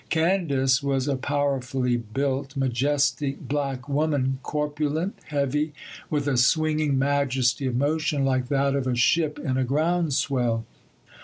Candace was a powerfully built, majestic black woman, corpulent, heavy, with a swinging majesty of motion like that of a ship in a ground swell.